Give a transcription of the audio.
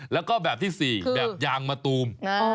แล้วก็แบบที่๔แบบยางมะตูม